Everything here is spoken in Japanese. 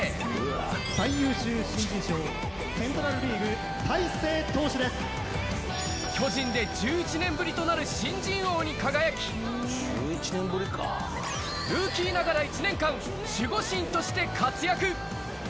最優秀新人賞、セントラル・巨人で１１年ぶりとなる新人王に輝き、ルーキーながら１年間、守護神として活躍。